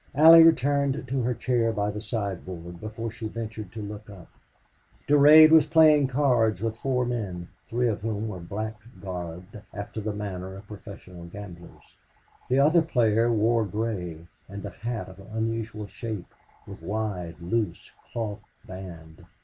Allie returned to her chair by the sideboard before she ventured to look up. Durade was playing cards with four men, three of whom were black garbed, after the manner of professional gamblers. The other player wore gray, and a hat of unusual shape, with wide, loose, cloth band.